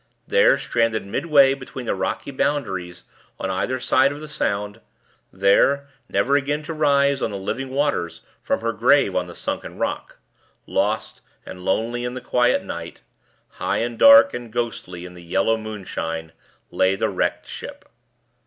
There, stranded midway between the rocky boundaries on either side of the Sound there, never again to rise on the living waters from her grave on the sunken rock; lost and lonely in the quiet night; high, and dark, and ghostly in the yellow moonshine, lay the Wrecked Ship.